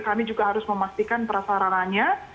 kami juga harus memastikan prasarananya